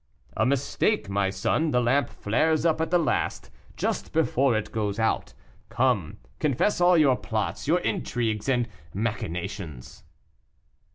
"A mistake, my son, the lamp flares up at the last, just before it goes out. Come, confess all your plots, your intrigues, and machinations!"